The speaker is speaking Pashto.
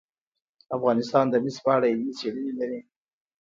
افغانستان د مس په اړه علمي څېړنې لري.